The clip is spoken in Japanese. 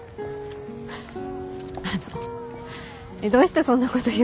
あのうどうしてそんなこと言うんですか？